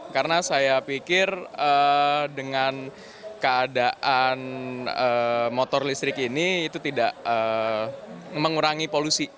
karena saya pikir dengan keadaan motor listrik ini itu tidak mengurangi polusi